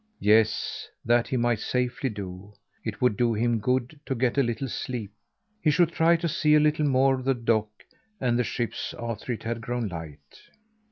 Yes, that he might safely do. It would do him good to get a little sleep. He should try to see a little more of the dock and the ships after it had grown light.